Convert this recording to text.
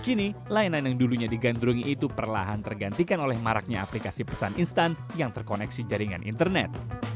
kini layanan yang dulunya digandrungi itu perlahan tergantikan oleh maraknya aplikasi pesan instan yang terkoneksi jaringan internet